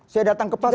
saya datang ke pasar